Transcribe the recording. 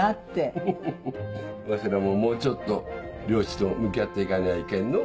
フフフわしらももうちょっと漁師と向き合って行かにゃいけんのう。